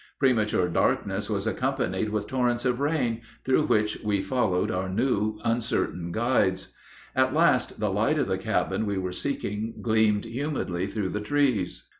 Premature darkness was accompanied with torrents of rain, through which we followed our now uncertain guides. At last the light of the cabin we were seeking gleamed humidly through the trees.